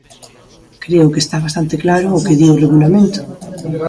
Creo que está bastante claro o que di o Regulamento.